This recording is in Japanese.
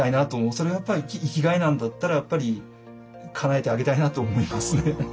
それはやっぱり生きがいなんだったらやっぱりかなえてあげたいなと思いますね。